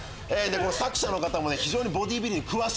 作者の方も非常にボディービルに詳しい。